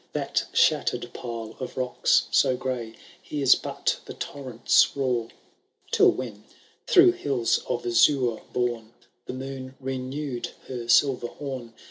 That shattered pile of rocks so gray. Hears but the torrent's roar. Till when, through hills of azure borne,' The moon renewed her silver horn.